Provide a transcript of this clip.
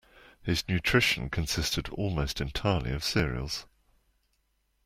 His nutrition consisted almost entirely of cereals.